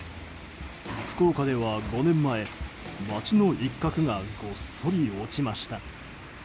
福岡では５年前、街の一角がごっそり落ちました。